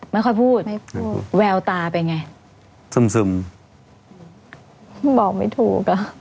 ไม่ค่อยพูดไม่พูดแววตาเป็นไงซึมซึมบอกไม่ถูกอ่ะ